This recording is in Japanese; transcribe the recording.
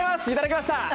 いただきました。